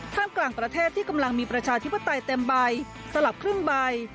กลางประเทศที่กำลังมีประชาธิปไตยเต็มใบสลับครึ่งใบ